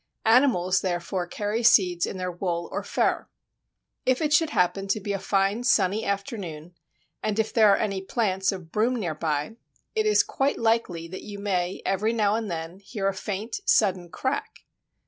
Animals therefore carry seeds in their wool or fur. If it should happen to be a fine, sunny afternoon, and if there are any plants of Broom near by, it is quite likely that you may, every now and then, hear a faint, sudden crack.